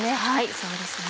そうですね